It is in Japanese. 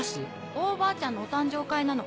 大おばあちゃんのお誕生会なの。